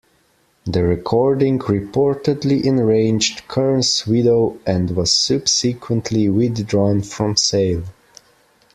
The recording reportedly enraged Kern's widow and was subsequently withdrawn from sale.